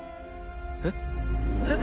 えっ？えっ？